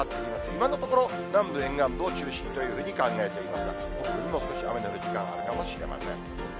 今のところ、南部沿岸部中心というふうに考えていますが、北部にも少し雨の降る時間があるかもしれません。